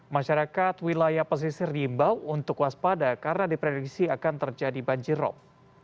masyarakat wilayah pesisir diimbau untuk waspada karena diprediksi akan terjadi banjirop